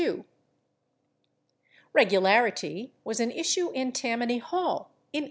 /Regularity/ was an issue in Tammany Hall in 1822.